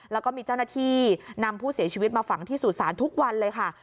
แล้วก็มีเจ้าหน้าที่นำผู้เสียชีวิตมาฝังที่สู่ศาลทุกวันเลยค่ะ